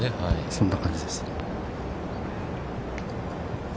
◆そんな感じです。